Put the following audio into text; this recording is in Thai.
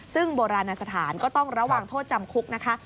ซึ่งโบราณสถานก็ต้องระวังโทษจำคุกนะคะ